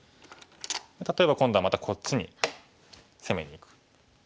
例えば今度はまたこっちに攻めにいく。